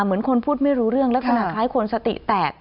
เหมือนคนพูดไม่รู้เรื่องลักษณะคล้ายคนสติแตก